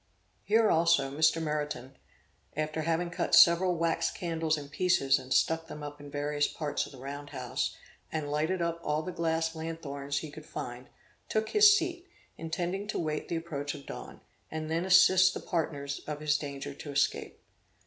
Here also Mr. Meriton, after having cut several wax candles in pieces and stuck them up in various parts of the round house, and lighted up all the glass lanthorns he could find, took his seat, intending to wait the approach of dawn; and then assist the partners of his danger to escape.